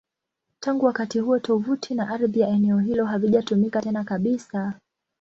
Tangu wakati huo, tovuti na ardhi ya eneo hilo havijatumika tena kabisa.